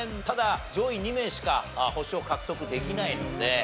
ただ上位２名しか星を獲得できないので。